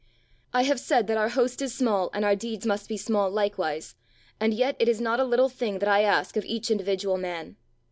"I have said that our host is small and our deeds must be small likewise, and yet it is not a little thing that I ask of each individual man.